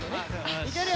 いけるよ！